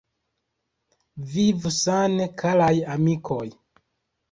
Vivu sane, karaj amikoj!